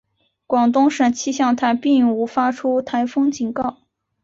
广东省气象台并无发出台风警告。